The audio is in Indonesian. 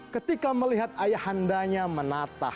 ketika melihat ayahandanya menatah